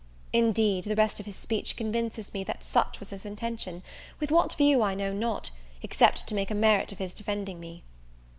Indeed, the rest of his speech convinces me that such was his intention; with what view I know not, except to make a merit of his defending me.